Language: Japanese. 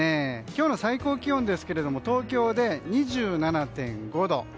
今日の最高気温ですが東京で２７．５度。